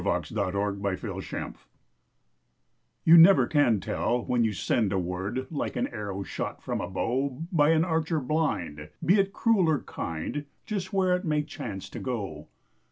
YOU NEVER CAN TELL You never can tell when you send a word, Like an arrow shot from a bow By an archer blind, be it cruel or kind, Just where it may chance to go!